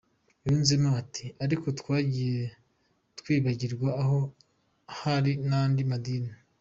Yunzemo ati “Ariko twagiye twibagirwa ko hari n’andi madini.